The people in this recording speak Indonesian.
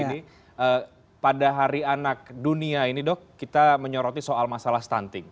jadi pada hari anak dunia ini dok kita menyoroti soal masalah stunting